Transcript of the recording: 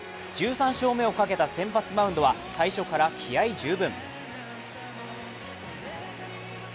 １３勝目をかけた先発マウンドは最初から気合い十分。